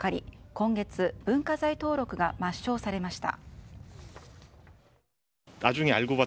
今月、文化財登録が抹消されました。